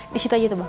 di situ aja tuh bang